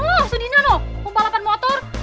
oh si dina loh mau balapan motor